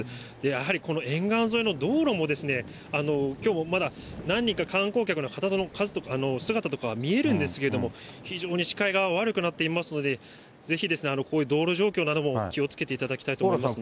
やはり、この沿岸沿いの道路もきょうはまだ何人か観光客の方の姿とかは見えるんですけれども、非常に視界が悪くなっていますので、ぜひこういう道路状況なども、気をつけていただきたいと思います